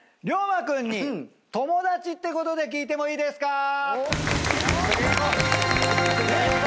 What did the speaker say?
涼真君に友達ってことで聞いてもいいですか⁉ＯＫ。